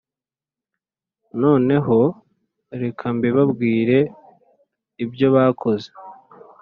Noneho reka mbibabwire ibyo bakoze